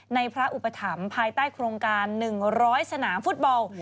ในพระอุปถัมภ์ภายใต้โครงการ๑๐๐สนามฟุตบอล